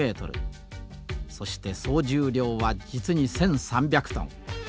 そして総重量は実に１，３００トン。